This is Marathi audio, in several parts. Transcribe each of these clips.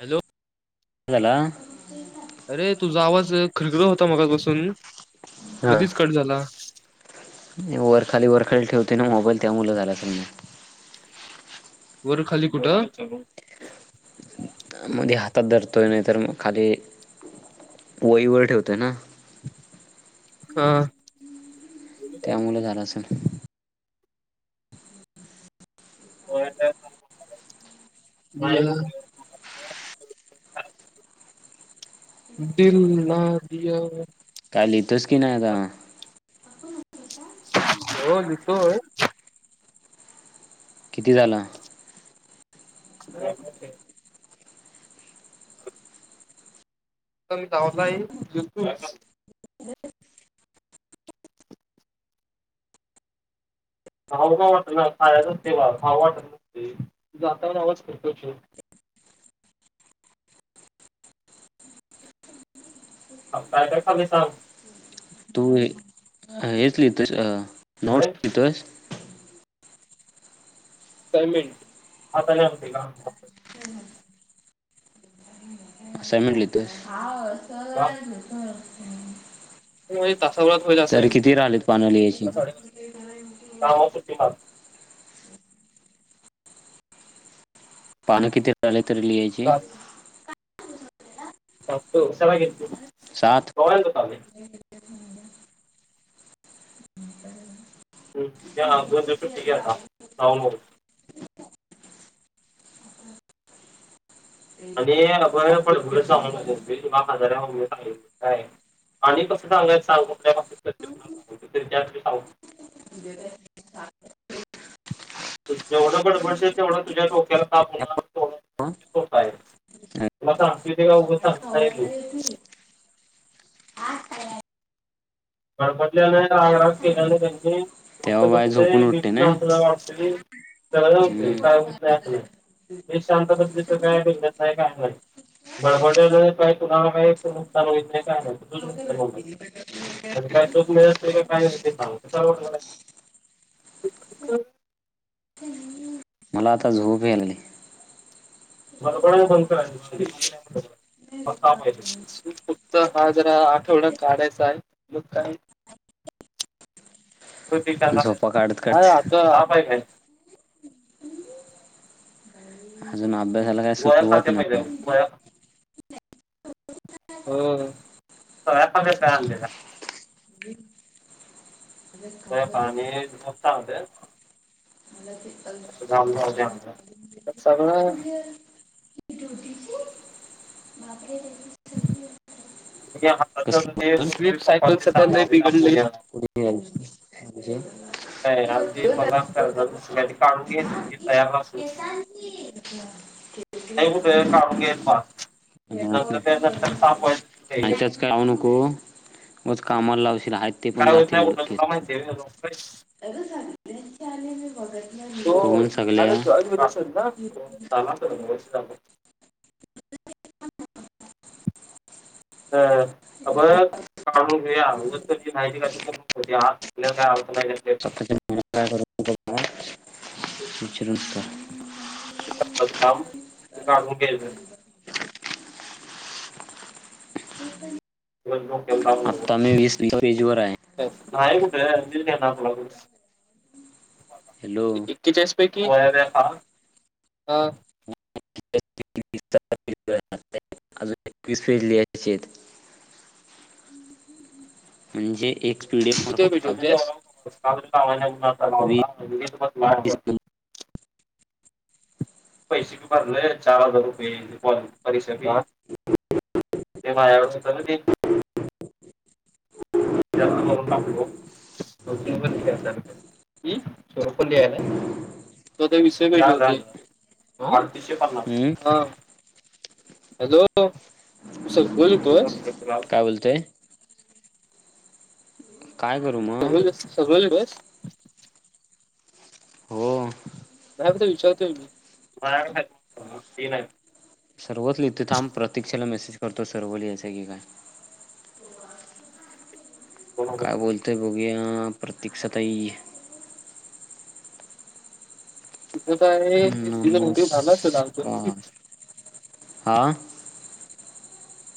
हॅलो ह्या ला झाला अरे तुझा आवाज होता मगासपासून मधीच कट झाला.... वरखाली वरखाली ठेवते ना मोबाईल त्यामुले झाल असल... वर खाली कुठं... मध्ये हातात धरतोय नाही तर मग खाली वहीवर ठेवतोय ना.... हा... त्यामुले झालं असेल मायला.... दिल ना दिया... काली तो स्किन आहे का? हो निघतोय किती झाला... [unintelligible] [unintelligible] [unintelligible] अहो काय काय चालू आहे काम... तू हेच लिहितोयेस अ होय नोटस लिहितोस... [unintelligible] असाइनमेंट लिहितोयस. [unintelligible] तासा भरात होईल असां. राहिलेत पानं लिहायची पानं किती आहेत तरी लिहायची? सात बघतो [unintelligible] सात. दोन दिवस सुट्टी घे आता [unintelligible] आणि अभय पण [unintelligible] [unintelligible] आणि कसं सांगायचं? [unintelligible] [unintelligible] [unintelligible] तू जेवढं बडबडशील तेवढं तुझ्या डोक्याला ताप होणार [unintelligible] काय तुला सांगतोय ते काही उगा सांगत नाही मी. गडपटल्याने रागराग केल्याने त्यांनी... डोकं तेव्हा बाय दुखतंय झोपून [unintelligible] उठते ना असं तुला वाटत सगळं [unintelligible] हम्म. काय नाही असं नाही. हे शांत [unintelligible] काय नाही. बडबडट्याला काही कुणाला काही नुकसान होत नाही काय नाय. [unintelligible] काय सुख मिळत नाही काय [unintelligible] मला आता झोप यायली. बर बरं बंद कर [unintelligible] काहि फक्त हा जरा आठवडा काढायचा आहे मग काय? रिकामा ऑडिओ [unintelligible] काढत आता [unintelligible] अजून अभ्यासाला.. गोळ्या सुरुवात खात्या पहिल्या नाही गोळ्या. हो सगळ्यात पहिला आणलेला. ते पाणी झपता होते. रिकामा ऑडिओ तर सगळं. रिकामा ऑडिओ रिकामा ऑडिओ [inaudible] रिकामा ऑडिओ अदी बघा कर दुसर्यांनी कडून घेतलं कीं [unintelligible] ्बघ कीं. का कुठे काढून घेत म नंतर त्या नंतर ताप व्हायचा. नाहीच्याच काय लावू नकोउगाच कामाला लावशील अनिक. काय होत नाही बोल तुला माहिती आहे का? कोण त सगल्या आता जॉईन होश ना! थांब ह दोन मिनिट [unintelligible] ह अप.. काढून घे [unintelligible] आपल्याला काय [unintelligible] [unintelligible] रिकामा ऑडिओ काम [unintelligible] [unintelligible] आत्ता मी वीस तीन एज वर हाय. नायकुठ [unintelligible] हॅलो. किच्यास पैकी अ अजून एकवीस फेट लियाचे हम् हम् म्हणजे एक पीडीएफ वर फक्त वीस [unintelligible] प शी पाार चार दूर पय परीक्ष अ ह ते माझ वर्ष जास्त करून टाकलो. ह सोरोपली यायला त विषय. हो अडतीसशे पन्नास हम्म हॅलो तू सगळ बोलतो आहे. काय बोलतय? काय करू मग? बोल बस हो. विचारत नाही. सर्वच लिहितो थांम प्रतीक्षेला मेसेज करतो सर्व लिहायचय की काय दोन काय होते. बोलतोय बोघ प्रतीक्षा तई त तर आहे सिझ मोठ झालं असध नमस्कार आा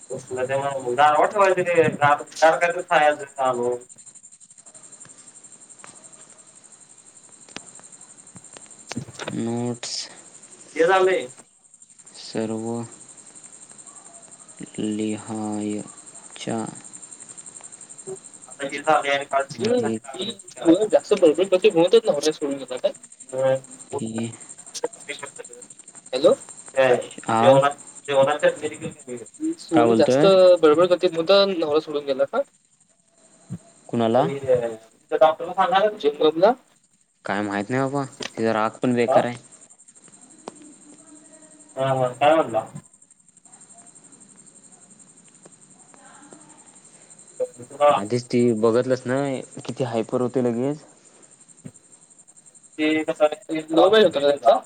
[unintelligible] नोट्स हे झाले. सर्व लिहाच्या आ का? आहेत जास्त प्रॉब्लेम प्र म्हणतच ना होण्या सोडून जात काय? की हा मेडिकल काय सोन जास्त बोलतोय बडबड गतीत मुद्ध नवरा सोडून गेला का? अ कुणाला त डॉक्टरला सांणार चेकपला काय माहित नाही बाबा तचा राग पण हा, बेकार आहे. हा हो कायला. तर आधीच ती बघितलस ना किती हायपर होते लगेच. नऊज होतचा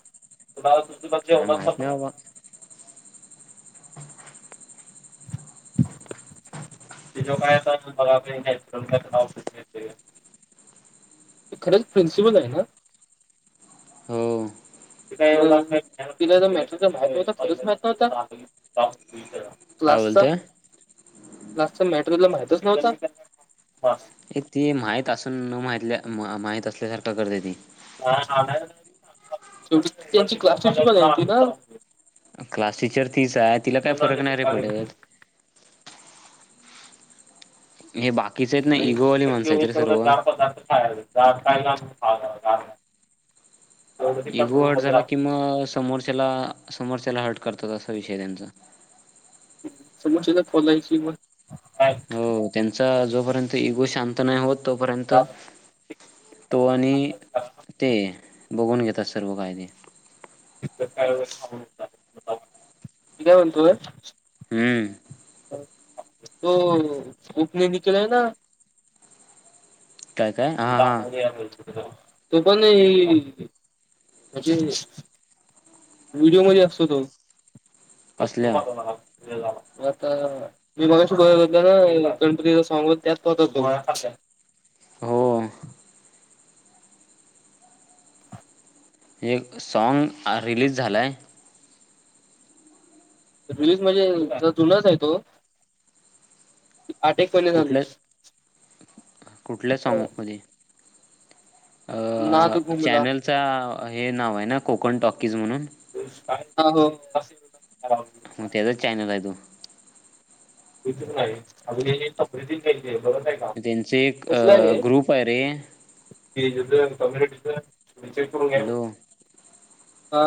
काय माहित तुमे नाही बाबा ते जो कायता बघ नॅचरल खरंच प्रिन्सिपल आहे ना? हो. मॅच माहव होता खरंच माह होत. काय क्लासचा बोलतोय क्लासचा मॅटेरियलला माहितच नव्हत ह एक ती माहित असून न माहितल्या माहित असल्यासारखं करते ती शेवटी त्यांची क्लासची पणती ना? क्लास टीचर तीच आहे तिला काय फरक नाही रे पडेत हे बात. आणिवढ गार पदार्थ खाय काय ख इगो हार्ट झाला किं समोरच्याला समोरच्याला हर्ट करतात असा विषय त्यांचा स ख [unintelligible] हो त्यांचा जोपर्यंत इगो शांत नाही होत तोपर्यंत गार तो आणि पदार्थ ते बघून घेतात सर्व कायदे काय काय म्हणतो? हम्म, तो उपने निकला ना, काय काय हा हा तो पण म्हणजे, व्हिडिओ मध्ये असतो तो, कसल्या म आता, मी मगाशी बगत हो ना, गणपती च सॉग त्यात पाहत होतो, हो एक सॉंग रिलीज झालाय, रिलीज म्हणजे ज जुनच आहे, तो अटेकपणे झाली, कुठल्या [unintelligible] कुठल्या सॉंग मध्ये नाद आहे घुमला. चॅनल, हे नाव आहे ना, कोकण टॉकीज म्हणून, [unintelligible] म तेचा च चायनल आहे तो, [unintelligible] त्यांचे एक अ ग्रुप आहे रे, ते हेच कमिनुटीच [unintelligible] घ्या नको हॅलो हा,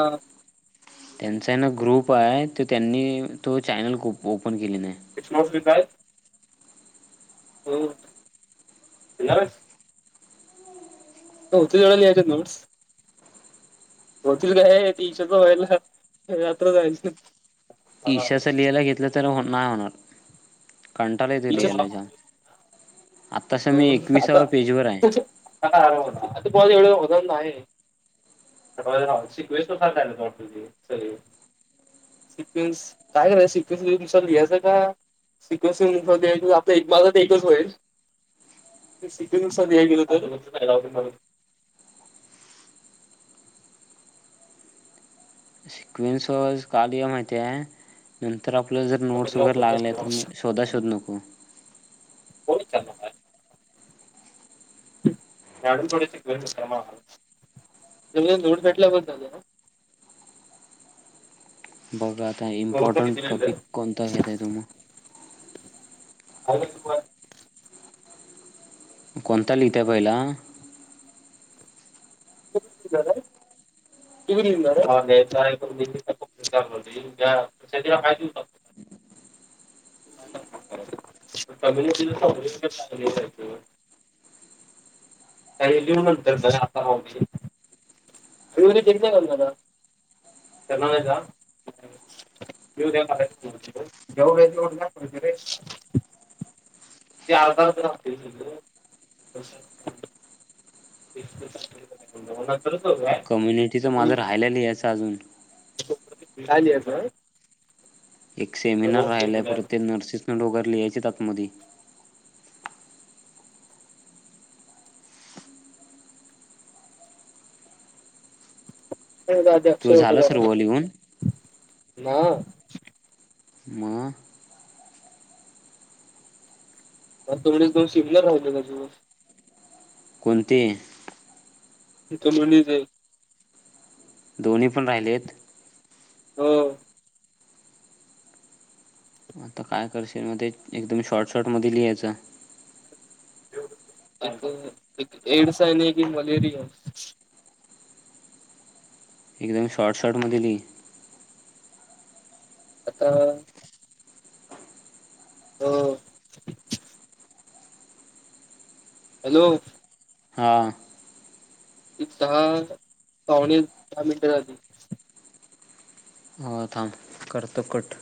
त्यांचा ना ग्रुप आहे त त्यांनी तो, चॅनल ओपन केले नाही, इट्स नॉट [unintelligible] हो येणार आहेस, घाव तेल तेवढ्या दयच्या, नोटस वकिल काय [unintelligible] रात्र जाय, च ईशाच लिहायला घेतलं तर, नाही होणार कंटाला येत इच्छाच लिहायला जाम, आतास मी हम्म आता एकविसाव्या पेजवरर आहे, [unintelligible] होणार नाही आहे, शिकायचं राहूदे, शिकवेस [unintelligible] तससगळी, सिक्विनस काय करायच, सिक्विन्स तुमच्याला लिहायचं का? सिक्वेन्स मध्ये आपल, एक माझा ते एकच होईल. सिक्विनस नुसार द्या गेल तर, क्विन्सवाईस का आले, माहिती आहे. नंतर आपल्या जर नोट्स वगैरे, लागले तर मग शोधा शोध नको. [unintelligible] मॅडम थोडीसेक्वेस देत्यात आम्हाला, नोट्स भेटला बस झालंना, बघा आता इम्पॉर्टंट टॉपिक, कोणतां घेत आहे तुम्ही? आता तू [unintelligible] कोणता लिहित्या पहिला? तू कुटला दया लाईस, [unintelligible] कम्युनिटीला [unintelligible] काही लिहू नंतर, आता राहू दे. [unintelligible] करणार रे नार अहिंसा, येव दया म जेवढ तेवढ ला रे [unintelligible] ते अर्ध अर्ध राहतीलरे सगळ, [inaudible] ते कम्युनिटीचं माझं राहायलाियचं अजून, काय लिहायचं आहे, एक सेमिनार राहिलाय परत, ते नर्सेस न ढोगल यायचे आतमध्ये, तो अक्षय [unintelligible] झाला जा सर्व लिहून ना [unintelligible] म, तोेच दोन सिमनार राहिल्यात अजून, कोणते? [unintelligible] दोन्ही पण राहिलेत हो. आता काय करशील मध्ये? एकदम शॉर्ट शॉर्ट मध्ये लिहायचं. [unintelligible] एक एड्स आहे नि एक मलेरिया ए एकदम शॉर्ट शार्ट मध्ये लीह. आता हो. हॅलो हा. दहा... पावणे दहा मिनिटं झाली. हा थांब... करतो कट.